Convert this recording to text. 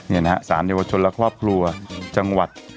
นี่นะฮะสารเยาวชนและครอบครัวจังหวัด